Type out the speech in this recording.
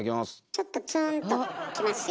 ちょっとツーンときますよ。